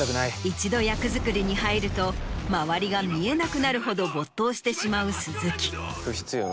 一度役作りに入ると周りが見えなくなるほど没頭してしまう鈴木。